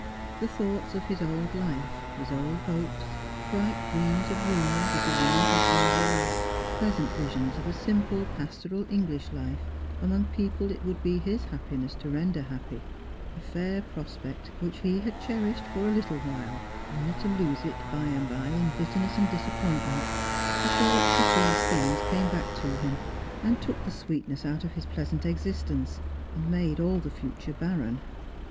The thoughts of his old life. his old hopes, bright dreams of union with the woman he fondly loved, pleasant visions of a simple pastoral English life among people it would be his happiness to render happy, a fair jirospect which he had cherished for a little while, only to lose it by and by in bitterness and disappointment — the htoughts of these things came back to him and took the sweetness out of his plea sant existence, and made all the future barren.